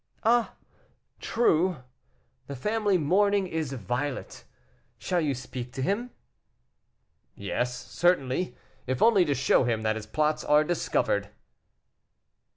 "Ah! true; the family mourning is violet. Shall you speak to him?" "Yes, certainly, if only to show him that his plots are discovered."